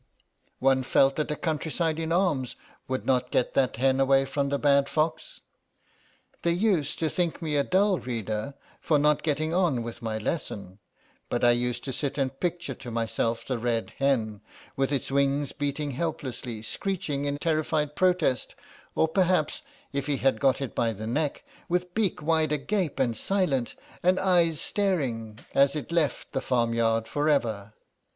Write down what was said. One felt that a countryside in arms would not get that hen away from the bad fox. They used to think me a slow dull reader for not getting on with my lesson, but I used to sit and picture to myself the red hen, with its wings beating helplessly, screeching in terrified protest, or perhaps, if he had got it by the neck, with beak wide agape and silent, and eyes staring, as it left the farmyard for ever.